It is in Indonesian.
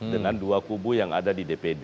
dengan dua kubu yang ada di dpd